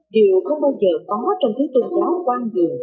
điều không bao giờ có trong thứ tương báo quang dường